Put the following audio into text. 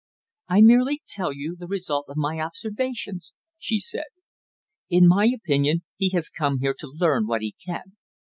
"I merely tell you the result of my observations," she said. "In my opinion he has come here to learn what he can."